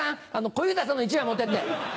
小遊三さんの１枚持ってって。